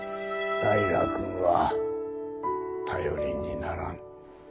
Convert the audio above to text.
平君は頼りにならん。